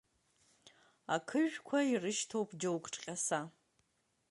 Ақыжәқәа ирышьҭоуп џьоук ҿҟьаса.